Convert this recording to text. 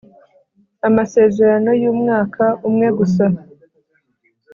amasezerano y’umwaka umwe gusa